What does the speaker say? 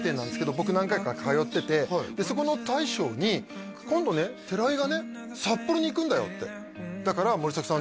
僕何回か通っててでそこの大将に今度ね寺井がね札幌に行くんだよってだから森崎さん